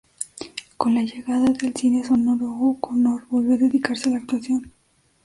Con la llegada del cine sonoro, O'Connor volvió a dedicarse a la actuación.